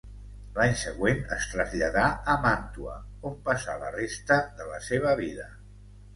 L'any següent es traslladà a Màntua, on passà la resta de la seva vida.